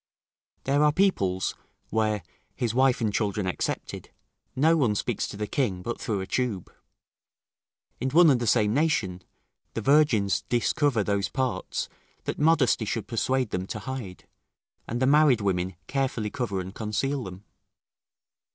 There are peoples, where, his wife and children excepted, no one speaks to the king but through a tube. In one and the same nation, the virgins discover those parts that modesty should persuade them to hide, and the married women carefully cover and conceal them.